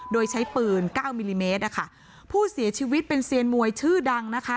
โดยใช้ปืนเก้ามิลลิเมตรนะคะผู้เสียชีวิตเป็นเซียนมวยชื่อดังนะคะ